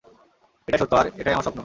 এটাই সত্য আর এটাই আমার স্বপ্ন।